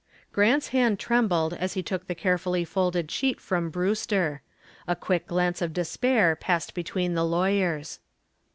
Grant's hand trembled as he took the carefully folded sheet from Brewster. A quick glance of despair passed between the two lawyers.